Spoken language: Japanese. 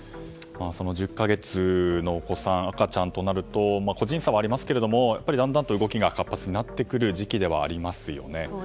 １０か月の赤ちゃんとなると個人差はありますけれどだんだんと動きが活発になってくる時期ではありますよね。